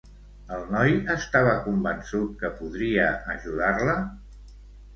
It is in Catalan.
El noi estava convençut que podria ajudar-la?